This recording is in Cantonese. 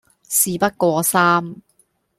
事不過三